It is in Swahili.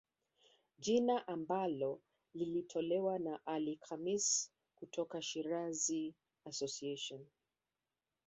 Jina ambalo lilitolewa na Ali Khamis kutoka Shirazi Association